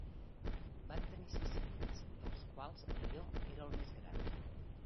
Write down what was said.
Van tenir sis fills, dels quals Leo era el més gran.